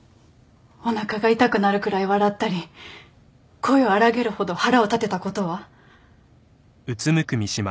おなかが痛くなるくらい笑ったり声を荒げるほど腹を立てたことは？